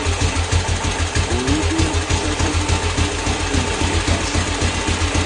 Bw’oyogera ku ssaza Buddu toyinza kuleka Nseenene.